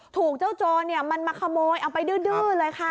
ถูกเจ้าโจรมันมาขโมยเอาไปดื้อเลยค่ะ